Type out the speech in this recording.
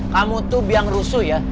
kamu tuh biang rusuh ya